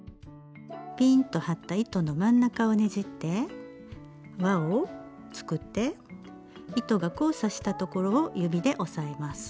ピーンと張った糸の真ん中をねじって輪を作って糸が交差したところを指で押さえます。